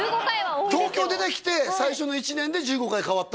東京出てきて最初の１年で１５回変わったんですよ